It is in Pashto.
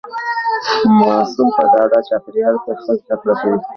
ماسوم په ډاډه چاپیریال کې ښه زده کړه کوي.